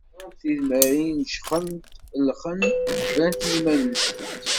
Tidmarin jxent lxent brant i yiman-nsent.